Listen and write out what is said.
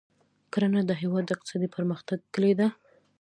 کرنه د هېواد د اقتصادي پرمختګ کلي ده.